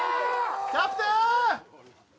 キャプテーン！